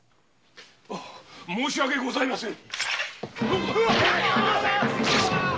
申し訳ございません。